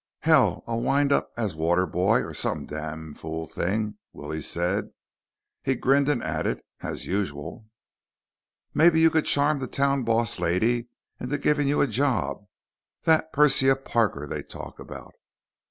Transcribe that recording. "Hell, I'll wind up as water boy or some d damn fool thing," Willie said. He grinned and added, "As usual." "Maybe you could charm that town boss lady into giving you a job. That Persia Parker they talk about."